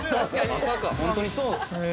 ◆まさか本当にそう◆